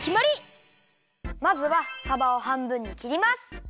まずはさばをはんぶんにきります。